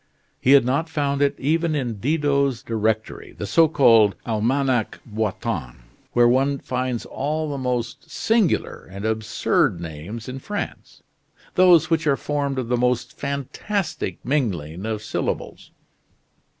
He had not found it even in Didot's directory, the so called "Almanach Boitin," where one finds all the most singular and absurd names in France those which are formed of the most fantastic mingling of syllables.